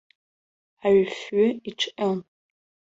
Аҩфҩы иҿҟьон.